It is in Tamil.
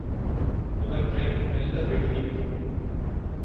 இவற்றை மெல்ல வெளியிட்டோம்.